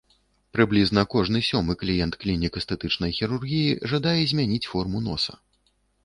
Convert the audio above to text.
Прыблізна кожны сёмы кліент клінік эстэтычнай хірургіі жадае змяніць форму носа.